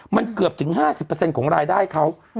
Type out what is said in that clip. มันเกือบถึง๕๐ของรายได้เขา